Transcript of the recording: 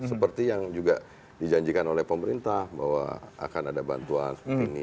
seperti yang juga dijanjikan oleh pemerintah bahwa akan ada bantuan seperti ini